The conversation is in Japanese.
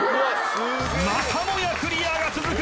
［またもやクリアが続く！